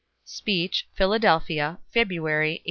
(Speech, Philadelphia, February, 1861.)